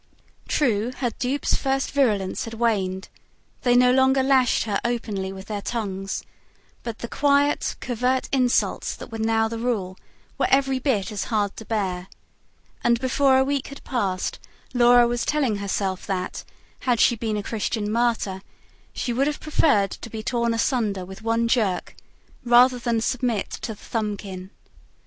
True, her dupes' first virulence had waned they no longer lashed her openly with their tongues but the quiet, covert insults, that were now the rule, were every bit as hard to bear; and before a week had passed Laura was telling herself that, had she been a Christian Martyr, she would have preferred to be torn asunder with one jerk, rather than submit to the thumbkin.